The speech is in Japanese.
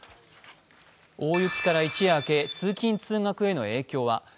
大雪から一夜明け通勤・通学への影響は。